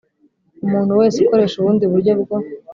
Umuntu wese ukoresha ubundi buryo bwo